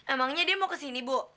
emangnya dia mau kesini bu